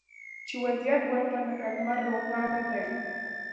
چې وضعیت ورته لکه لمر روښانه دی